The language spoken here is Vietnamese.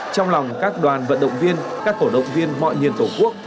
trong lòng các đoàn vận động viên các cổ động viên mọi miền tổ quốc